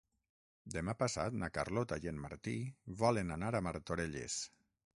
Demà passat na Carlota i en Martí volen anar a Martorelles.